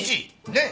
ねっ？